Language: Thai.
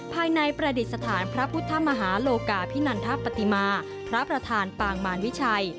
ภายในประดิษฐานพระพุทธมหาโลกาพินันทปฏิมาพระประธานปางมารวิชัย